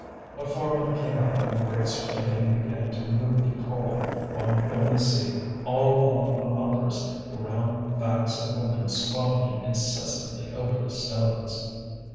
A foreman came up and the rakes again began to move the coal. One could only see, all along the hoppers, the round backs of women squabbling incessantly over the stones.